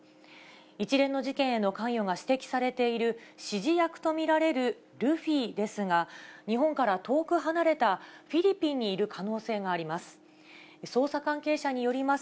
一連の事件への関与が指摘されている、指示役と見られるルフィですが、日本から遠く離れたフィリピンにいる可能性があります。